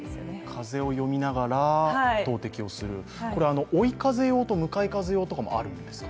風を読みながら投てきをする、追い風用と向かい風用とかもあるんですか？